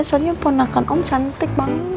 soalnya ponakan om cantik bang